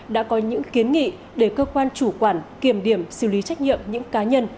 đã có những kiến nghị để cơ quan chủ quản kiểm điểm xử lý trách nhiệm những cá nhân